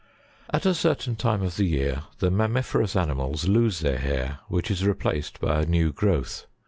70 At a certain time of the year the mammiferous animals lose their hair which is replaced by a new growth.